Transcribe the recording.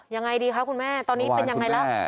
ยังไงดีคะคุณแม่ตอนนี้เป็นยังไงล่ะ